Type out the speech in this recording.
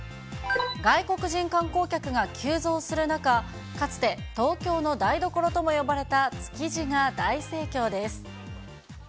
外国人観光客が急増する中、かつて、東京の台所とも呼ばれた築地が大盛況です。